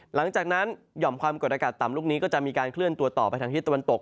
หลังจากนั้นหย่อมความกดอากาศต่ำลูกนี้ก็จะมีการเคลื่อนตัวต่อไปทางที่ตะวันตก